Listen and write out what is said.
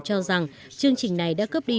cho rằng chương trình này đã cướp đi